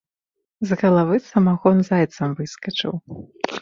З галавы самагон зайцам выскачыў.